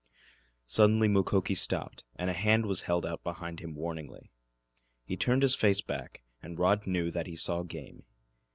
Suddenly Mukoki stopped, and a hand was held out behind him warningly. He turned his face back, and Rod knew that he saw game.